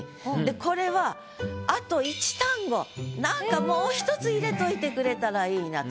これはあと一単語なんかもう一つ入れといてくれたらいいなと。